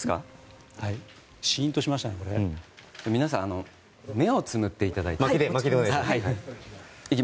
皆さん目をつむっていただいて。